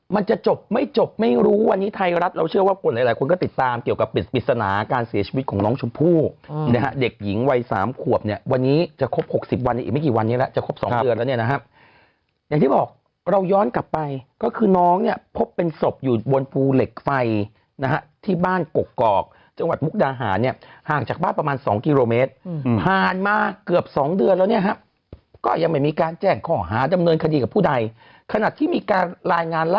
มันจะจบไม่จบไม่รู้วันนี้ไทยรัฐเราเชื่อว่าคนหลายหลายคนก็ติดตามเกี่ยวกับปริศนาการเสียชีวิตของน้องชมพู่อืมนะฮะเด็กหญิงวัยสามขวบเนี้ยวันนี้จะครบหกสิบวันอีกไม่กี่วันนี้ละจะครบสองเดือนแล้วเนี้ยนะฮะอย่างที่บอกเราย้อนกลับไปก็คือน้องเนี้ยพบเป็นศพอยู่บนภูเหล็กไฟนะฮะที่บ้าน